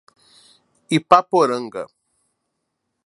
Ipaporanga